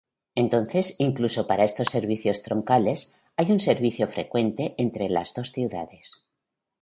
Entonces, incluso para estos servicios troncales, hay un servicio frecuente entre las dos ciudades.